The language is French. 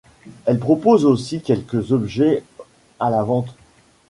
Elle propose aussi quelques objets à la vente.